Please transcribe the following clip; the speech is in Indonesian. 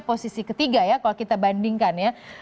posisi ketiga ya kalau kita bandingkan ya